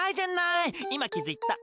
いまきづいた。